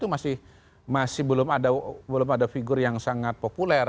itu masih belum ada figur yang sangat populer